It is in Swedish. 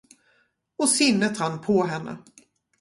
Och sinnet rann på henne.